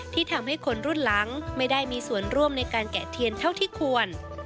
ที่ทำให้คนรุ่นหลังไม่ได้มีส่วนร่วมในการแกะเทียนเท่าที่ควร